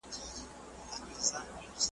انصاف د ټولنې ثبات زیاتوي.